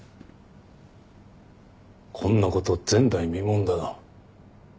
こんなこと前代未聞だな。